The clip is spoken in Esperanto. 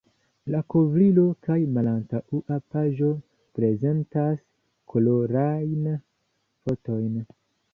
La kovrilo kaj malantaŭa paĝo prezentas kolorajn fotojn.